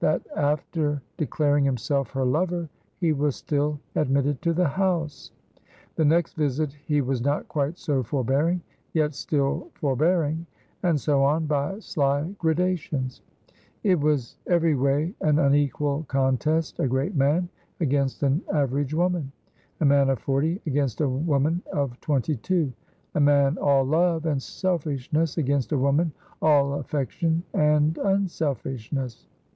that after declaring himself her lover he was still admitted to the house. The next visit he was not quite so forbearing, yet still forbearing; and so on by sly gradations. It was every way an unequal contest. A great man against an average woman a man of forty against a woman of twenty two a man all love and selfishness against a woman all affection and unselfishness.